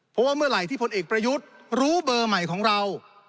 เพราะว่าเมื่อไหร่ที่พลเอกประยุทธ์รู้เบอร์ใหม่ของเรา